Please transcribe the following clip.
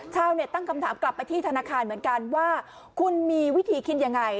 ชาวเน็ตตั้งคำถามกลับไปที่ธนาคารเหมือนกันว่าคุณมีวิธีคิดยังไง